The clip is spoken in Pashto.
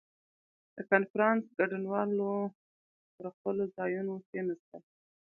• د کنفرانس ګډونوال پر خپلو ځایونو کښېناستل.